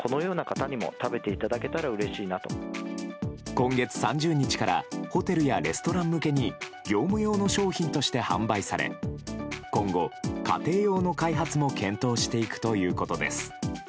今月３０日からホテルやレストラン向けに業務用の商品として販売され今後、家庭用の開発も検討していくということです。